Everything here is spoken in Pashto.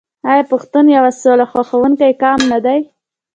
آیا پښتون یو سوله خوښوونکی قوم نه دی؟